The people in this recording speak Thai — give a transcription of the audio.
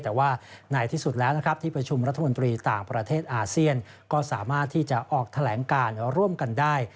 แต่ว่าในที่สุดแล้วนะครับที่ประชุมรัฐมนตรีต่างประเทศอาเซียนก็สามารถที่จะออกแถลงการร่วมกันได้